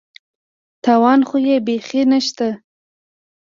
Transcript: تاوان خو یې بېخي نشته.